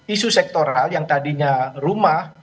isu sektoral yang tadinya rumah